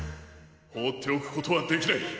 ほうっておくことはできない！